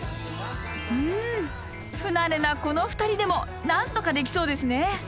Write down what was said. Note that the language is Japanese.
うん不慣れなこの２人でもなんとかできそうですね。